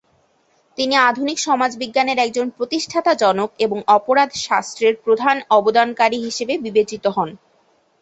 তিনি আধুনিক সমাজবিজ্ঞানের একজন প্রতিষ্ঠাতা জনক এবং অপরাধ শাস্ত্রের প্রধান অবদানকারী হিসাবে বিবেচিত হন।